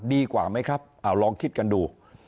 ดีกว่าไหมครับเอาลองคิดกันดู